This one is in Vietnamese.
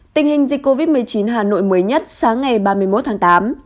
tình hình dịch covid một mươi chín hà nội mới nhất sáng ngày ba mươi một tháng tám